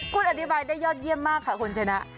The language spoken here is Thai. คุณอธิบายได้ยอดเยี่ยมมากค่ะคุณชนะ